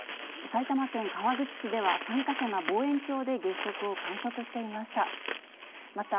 埼玉県川口市では、参加者が望遠鏡で月食を観測していました。